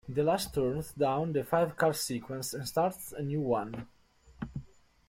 The last turns down the five-card sequence and starts a new one.